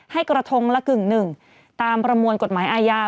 ให้กระทงละกึ่งหนึ่งตามประมวลกฎหมายอาญา